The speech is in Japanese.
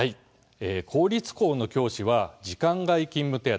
公立校の教師は時間外手当